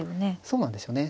そうなんですよね。